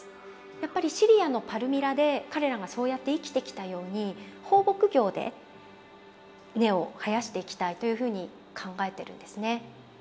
やっぱりシリアのパルミラで彼らがそうやって生きてきたように放牧業で根を生やしていきたいというふうに考えてるんですね。